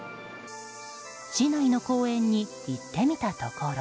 市内の公園に行ってみたところ。